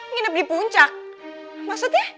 nginep di puncak maksudnya